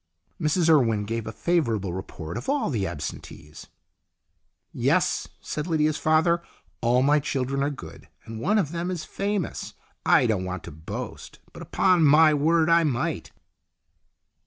Mrs Urwen gave a favourable report of all the absentees. " Yes," said Lydia's father, " all my children are good, and one of them is famous. I don't want to boast, but upon my word I might."